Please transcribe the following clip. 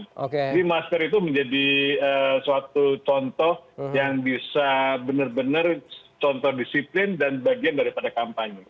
jadi masker itu menjadi suatu contoh yang bisa benar benar contoh disiplin dan bagian daripada kampanye